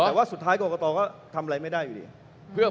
แต่ว่าสุดท้ายกรกตก็ทำอะไรไม่ได้อยู่ดี